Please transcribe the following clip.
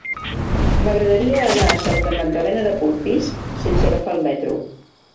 M'agradaria anar a Santa Magdalena de Polpís sense agafar el metro.